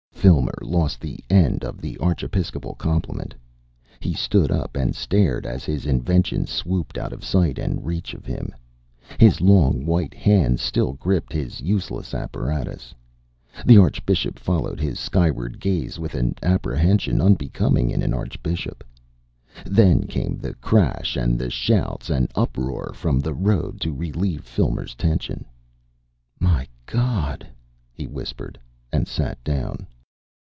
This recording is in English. Filmer lost the end of the archiepiscopal compliment. He stood up and stared as his invention swooped out of sight and reach of him. His long, white hands still gripped his useless apparatus. The archbishop followed his skyward stare with an apprehension unbecoming in an archbishop. Then came the crash and the shouts and uproar from the road to relieve Filmer's tension. "My God!" he whispered, and sat down.